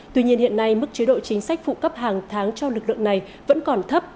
tuy nhiên hiện nay mức chế độ chính sách phụ cấp hàng tháng cho lực lượng này vẫn còn thấp